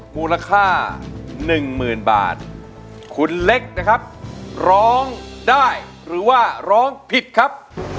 มูลค่า๑๐๐๐บาทคุณเล็กนะครับร้องได้หรือว่าร้องผิดครับ